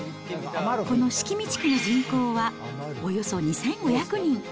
この式見地区の人口はおよそ２５００人。